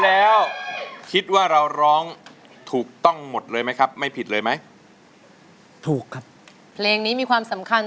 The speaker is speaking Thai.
โลกช่วยลูกดีเพราะลูกดีแต่ความผิดหวัง